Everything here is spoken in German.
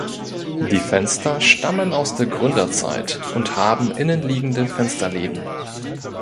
Die Fenster stammen aus der Gründerzeit und haben innenliegende Fensterläden.